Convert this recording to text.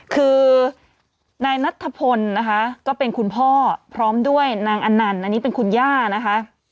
คือนายนัทธพลนะคะก็เป็นคุณพ่อพร้อมด้วยนางอันนันต์อันนี้เป็นคุณย่านะคะ